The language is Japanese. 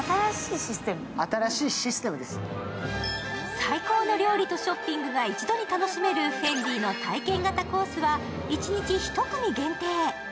最高の料理とショッピングが一度に楽しめるＦＥＮＤＩの体験型コースは一日１組限定。